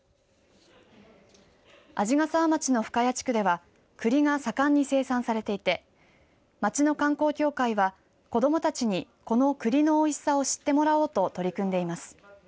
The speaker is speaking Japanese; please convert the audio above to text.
鰺ヶ沢町の深谷地区ではくりが盛んに生産されていて町の観光協会は子どもたちにこのくりのおいしさを知ってもらおうと取り組んでいます。